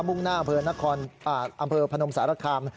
มุ่งหน้าอำเภอพนมสารคาม